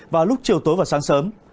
và lúc chiều tối và sáng sớm